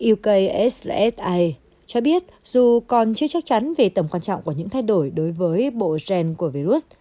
ek sa cho biết dù còn chưa chắc chắn về tầm quan trọng của những thay đổi đối với bộ gen của virus